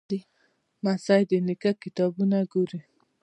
لمسی د نیکه کتابونه ګوري.